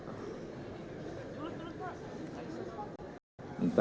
emang kayak kita jelasin saja